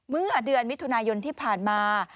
เมื่อเดือนมิถุนายนที่ผ่านมา